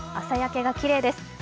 朝焼けがきれいです。